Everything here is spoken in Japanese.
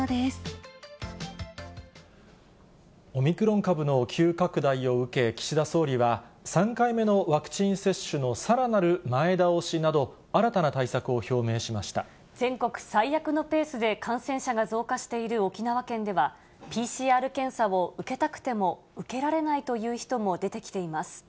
オミクロン株の急拡大を受け、岸田総理は、３回目のワクチン接種のさらなる前倒しなど、新たな対策を表明し全国最悪のペースで感染者が増加している沖縄県では、ＰＣＲ検査を受けたくても受けられないという人も出てきています。